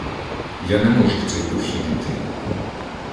— Я не можу в цей похід іти.